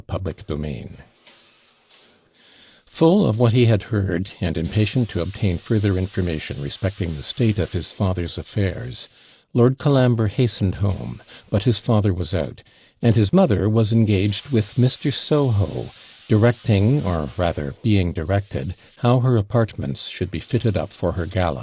CHAPTER II Full of what he had heard, and impatient to obtain further information respecting the state of his father's affairs, Lord Colambre hastened home; but his father was out, and his mother was engaged with Mr. Soho, directing, or rather being directed, how her apartments should be fitted up for her gala.